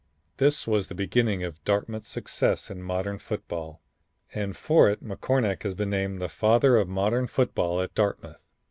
This was the beginning of Dartmouth's success in modern football, and for it McCornack has been named the father of modern football at Dartmouth.